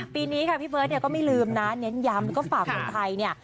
ปีนี้ค่ะพี่เบิร์ตเนี่ยก็ไม่ลืมนะเน้นย้ำแล้วก็ฝากคนไทยเนี่ย